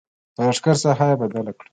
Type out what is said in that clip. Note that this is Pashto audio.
د لښکر ساحه یې بدله کړه.